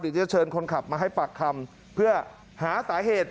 จะเชิญคนขับมาให้ปากคำเพื่อหาสาเหตุ